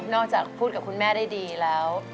จากพูดกับคุณแม่ได้ดีแล้ว